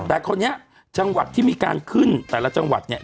แต่คราวนี้จังหวัดที่มีการขึ้นแต่ละจังหวัดเนี่ย